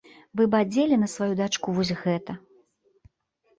Вы б адзелі на сваю дачку вось гэта?